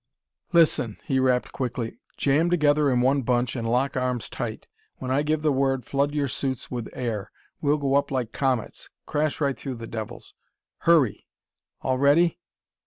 "Listen," he rapped quickly. "Jam together in one bunch and lock arms tight. When I give the word, flood your suits with air. We'll go up like comets; crash right through the devils.... Hurry!... All ready?"